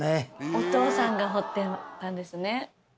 お父さんが彫ってたんですね。